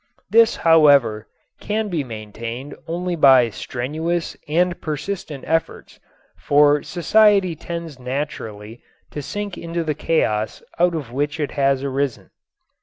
This, however, can be maintained only by strenuous and persistent efforts, for society tends naturally to sink into the chaos out of which it has arisen.